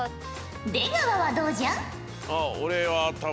出川はどうじゃ？